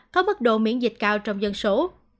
có mức độ miễn dịch cao trong dân số